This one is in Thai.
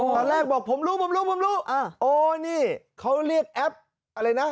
ตอนแรกบอกผมรู้ผมรู้ผมรู้โอ้นี่เขาเรียกแอปอะไรนะ